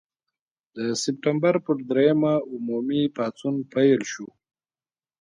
د سپټمبر پر دریمه عمومي پاڅون پیل شو.